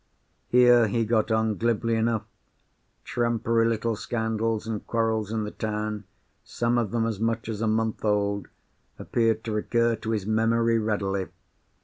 Here, he got on glibly enough. Trumpery little scandals and quarrels in the town, some of them as much as a month old, appeared to recur to his memory readily.